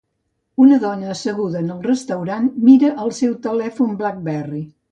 Una dona asseguda en el restaurant mira el seu telèfon BlackBerry.